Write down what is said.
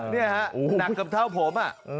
นี่ฮะหนักเกือบเท้าผมอ่ะ